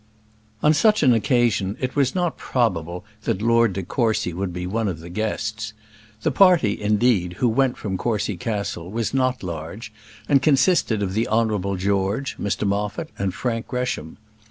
On such an occasion it was not probable that Lord de Courcy would be one of the guests. The party, indeed, who went from Courcy Castle was not large, and consisted of the Honourable George, Mr Moffat, and Frank Gresham.